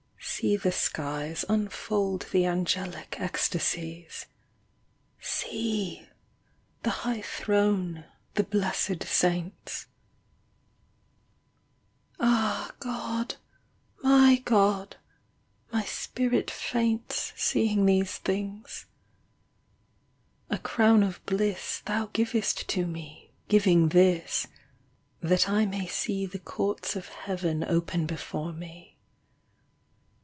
— See the skies Unfold the angelic ecstasies. See ! the High Throne — the blessed Saints. 77 The Lady of Shullott. Ah God ! my God ! my spirit faints Seeing these things. — A crown of bliss Thou givest to me, giving this, That I may see the courts of Heaven Open before me.